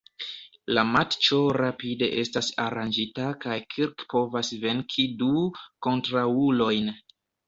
La matĉo rapide estas aranĝita kaj Kirk povas venki du kontraŭulojn.